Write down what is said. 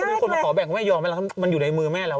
เว้ยย่ายกว่าแล้วก็ไม่ยอมมันออกมาอยู่ในมือแม่แล้ว